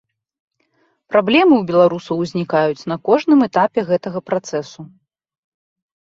Праблемы ў беларусаў узнікаюць на кожным этапе гэтага працэсу.